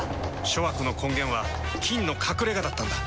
諸悪の根源は「菌の隠れ家」だったんだ。